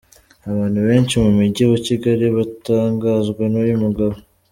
Abantu benshi mu mujyi wa Kigali batangazwa n'uyu mugabo.